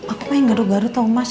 aku pengen garu garu tau mas